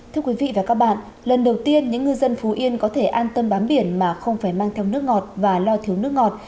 thưa quý vị và các bạn lần đầu tiên những ngư dân phú yên có thể an tâm bám biển mà không phải mang theo nước ngọt và lo thiếu nước ngọt